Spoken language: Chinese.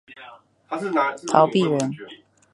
陶弼人。